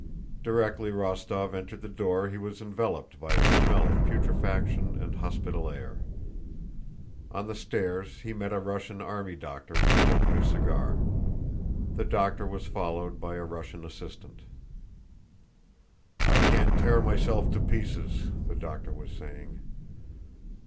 Directly Rostóv entered the door he was enveloped by a smell of putrefaction and hospital air. On the stairs he met a Russian army doctor smoking a cigar. The doctor was followed by a Russian assistant. "I can't tear myself to pieces," the doctor was saying.